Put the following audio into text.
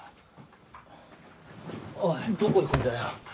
おいどこ行くんだよ？